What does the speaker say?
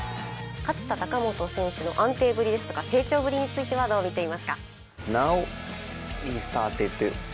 勝田貴元選手の安定ぶりですとか成長ぶりについてはどう見ていますか？